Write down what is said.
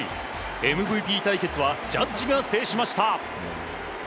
ＭＶＰ対決はジャッジが制しました。